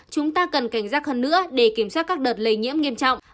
chúng ta cần cảnh giác hơn nữa để kiểm soát các đợt lây nhiễm nghiêm trọng